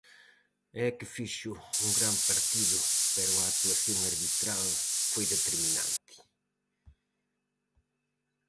E é que fixo un gran partido pero a actuación arbitral foi determinante.